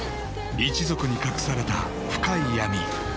［一族に隠された深い闇］